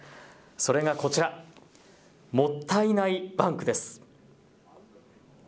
それがこちら、もったいないバンクです。